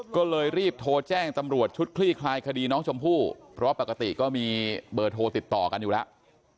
ก็เลยรีบโทรแจ้งตำรวจชุดคลี่คลายคดีน้องชมพู่เพราะปกติก็มีเบอร์โทรติดต่อกันอยู่แล้ว